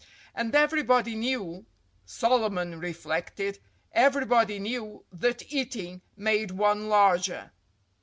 And everybody knew—Solomon reflected—everybody knew that eating made one larger.